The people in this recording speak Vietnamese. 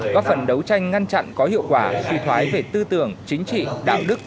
có phần đấu tranh ngăn chặn có hiệu quả phi thoái về tư tưởng chính trị đạo đức